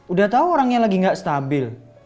udah tau orangnya lagi nggak stabil